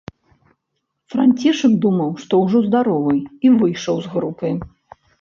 Францішак думаў, што ўжо здаровы, і выйшаў з групы.